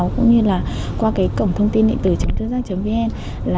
cũng như là qua cổng thông tin điện tử chốngthưgiác vn